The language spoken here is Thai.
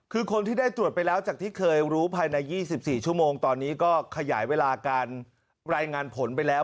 คือคนที่ได้ตรวจไปแล้วจากที่เคยรู้ภายใน๒๔ชั่วโมงตอนนี้ก็ขยายเวลาการรายงานผลไปแล้ว